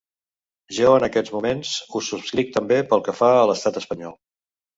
Jo en aquests moments ho subscric també pel que fa a l’estat espanyol.